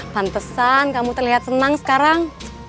pantesan kamu terlihat senang sekarang